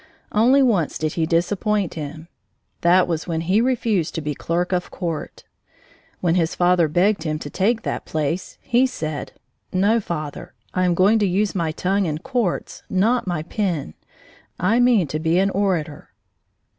Only once did he disappoint him. That was when he refused to be clerk of court. When his father begged him to take that place, he said: "No, father, I am going to use my tongue in courts, not my pen. I mean to be an orator!"